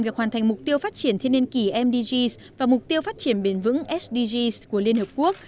việc hoàn thành mục tiêu phát triển thiên niên kỷ mdg và mục tiêu phát triển bền vững sdg của liên hợp quốc